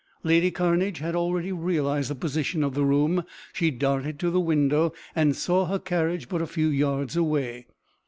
Lady Cairnedge had already realized the position of the room. She darted to the window, and saw her carriage but a few yards away.